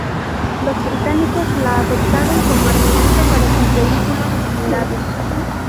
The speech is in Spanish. Los británicos la adoptaron como armamento para sus vehículos blindados.